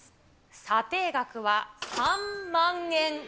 査定額は３万円。